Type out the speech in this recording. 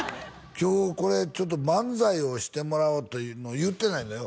今日これちょっと漫才をしてもらおうというのを言ってないのよ